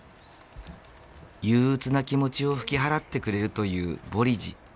憂鬱な気持ちを吹き払ってくれるというボリジ。